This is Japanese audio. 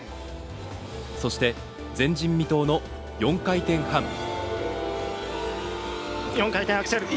そして、前人未到の４回転半。